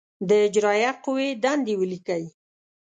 د اجرائیه قوې دندې ولیکئ.